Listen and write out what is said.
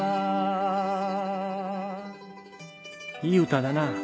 いい歌だな。